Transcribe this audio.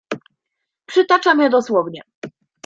"Przytaczam je dosłownie."